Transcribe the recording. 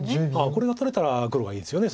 これが取れたら黒がいいですよね